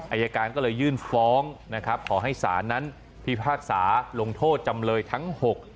อายการก็เลยยื่นฟ้องนะครับขอให้ศาลนั้นพิพากษาลงโทษจำเลยทั้ง๖